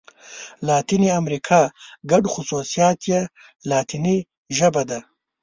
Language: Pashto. لاتیني امريکا ګډ خوصوصیات یې لاتيني ژبه ده.